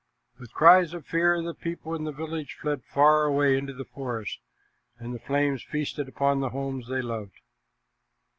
With cries of fear the people in the village fled far away into the forest, and the flames feasted upon the homes they loved.